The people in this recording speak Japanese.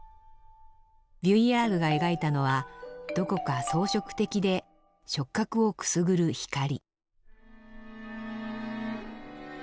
ヴュイヤールが描いたのはどこか装飾的で触覚をくすぐる光。